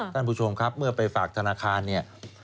ท่านผู้ชมครับเมื่อไปฝากธนาคารเนี่ย